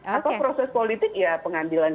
atau proses politik ya pengambilan